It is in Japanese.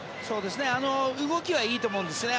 動きはいいと思うんですね。